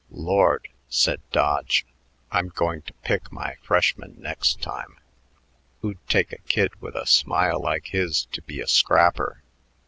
"Lord," said Dodge, "I'm going to pick my freshmen next time. Who'd take a kid with a smile like his to be a scrapper?